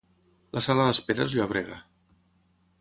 La sala d'espera és llòbrega.